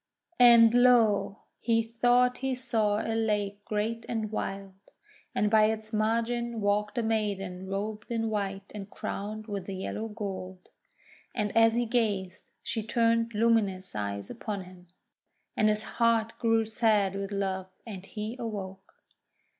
And lo! he thought he saw a lake great and wild, and by its margin walked a maiden robed in white and crowned with yellow gold. And as he gazed, she turned luminous eyes upon him, and his heart grew sad with love, and he awoke.